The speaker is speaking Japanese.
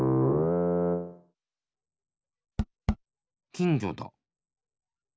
きんぎょだ！